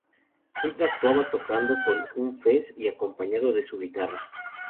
Siempre actuaba tocado con un fez y acompañado de su guitarra.